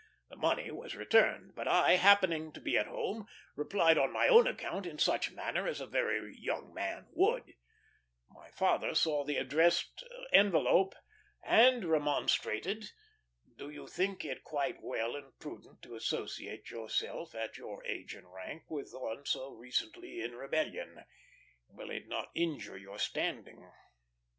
The money was returned; but I, happening to be at home, replied on my own account in such manner as a very young man would. My father saw the addressed envelope, and remonstrated. "Do you think it quite well and prudent to associate yourself, at your age and rank, with one so recently in rebellion? Will it not injure your standing?"